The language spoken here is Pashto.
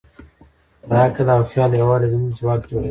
د عقل او خیال یووالی زموږ ځواک جوړوي.